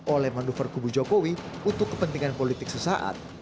oleh manuver kubu jokowi untuk kepentingan politik sesaat